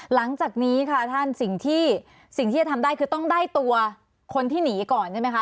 หลังจากนี้ค่ะท่านสิ่งที่สิ่งที่จะทำได้คือต้องได้ตัวคนที่หนีก่อนใช่ไหมคะ